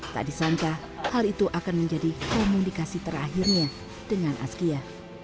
tak disangka hal itu akan menjadi komunikasi terakhirnya dengan askia